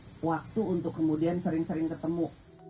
dan juga perlu waktu untuk kemudian sering sering ketemu